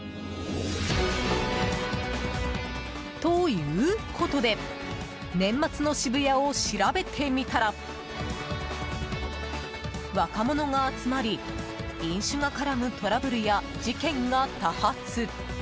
ということで年末の渋谷を調べてみたら若者が集まり飲酒が絡むトラブルや事件が多発。